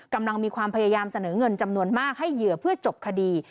กำลังมีความพยายามเสนอเงินจำนวนมากให้เหยื่อเพื่อจบคดี